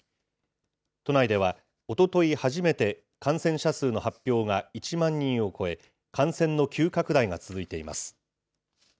都内ではおととい初めて、感染者数の発表が１万人を超え、感染の急拡大が続いています。